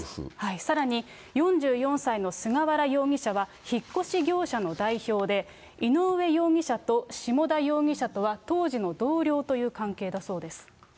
さらに４４歳の菅原容疑者は、引っ越し業者の代表で、井上容疑者と下田容疑者とは、当時の同僚という関係だそうです。